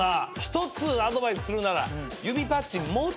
一つアドバイスするなら。